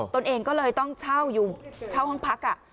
ตนเองก็เลยต้องเช่าห้องพัก